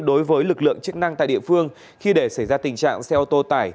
đối với lực lượng chức năng tại địa phương khi để xảy ra tình trạng xe ô tô tải